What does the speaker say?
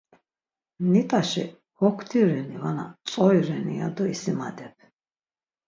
Nit̆aşi okti reni vana tzori reni ya do isimadep.